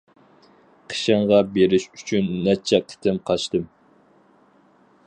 قىشىڭغا بېرىش ئۈچۈن، نەچچە قېتىم قاچتىم.